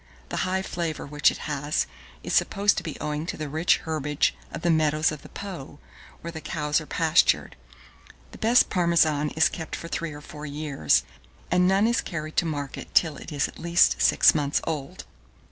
The high flavour which it has, is supposed to be owing to the rich herbage of the meadows of the Po, where the cows are pastured. The best Parmesan is kept for three or four years, and none is carried to market till it is at least six months old.